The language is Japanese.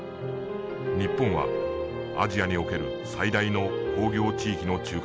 日本はアジアにおける最大の工業地域の中核である。